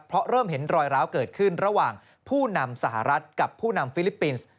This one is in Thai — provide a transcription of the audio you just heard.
เพราะเริ่มเห็นรอยร้าวเกิดขึ้นระหว่างผู้นำสหรัฐกับผู้นำฟิลิปปินส์